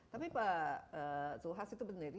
tapi pak tuhas itu benar